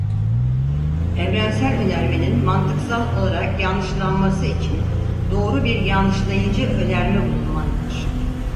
Evrensel önermenin mantıksal olarak yanlışlanması için doğru bir yanlışlayıcı önerme bulunmalıdır.